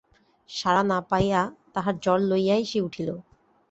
সাড়া না পাইয়া তাহার জ্বর লইয়াই সে উঠিল।